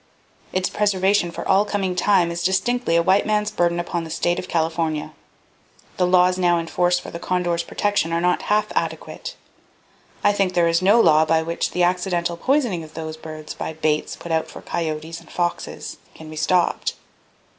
Its preservation for all coming time is distinctly a white man's burden upon the state of California. The laws now in force for the condor's protection are not half adequate! I think there is no law by which the accidental poisoning of those birds, by baits put out for coyotes and foxes, can be stopped.